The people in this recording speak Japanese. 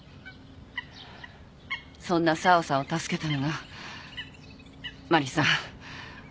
そんな沢さんを助けたのがマリさん。